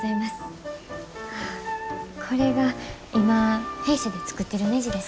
これが今弊社で作ってるねじです。